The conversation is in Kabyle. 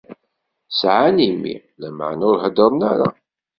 Sɛan imi, lameɛna ur heddren ara.